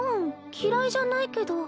嫌いじゃないけど。